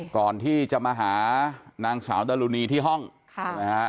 ก่อนที่จะมาหานางสาวดารุณีที่ห้องใช่ไหมฮะ